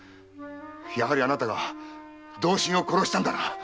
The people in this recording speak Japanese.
やはりあなたが同心を殺したんだな！